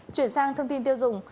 chuyển sang thông tin tiêu dùng